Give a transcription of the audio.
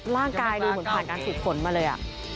ร่างกายดูผลผ่านการศุกร์ผลมาเลย